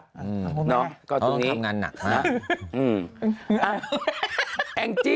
ก็ตรงนี้เขาต้องทำงานหนักมาก